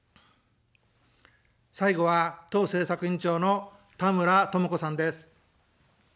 最後は党政策委員長の田村智子さんです。